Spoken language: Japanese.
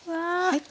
はい。